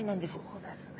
そうですね。